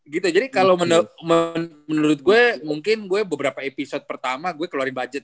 gitu jadi kalau menurut gue mungkin gue beberapa episode pertama gue keluarin budget